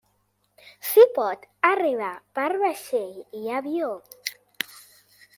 S'hi pot arribar per vaixell i avió.